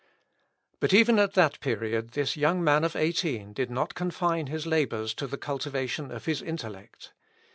But even at that period this young man of eighteen did not confine his labours to the cultivation of his intellect.